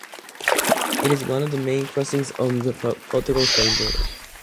It is one of the main crossings on the Portugal–Spain border.